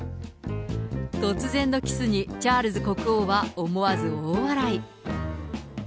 突然のキスに、チャールズ国王は思わず大笑い。